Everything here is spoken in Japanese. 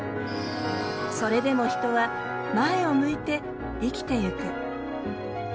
それでも人は前を向いて生きてゆく。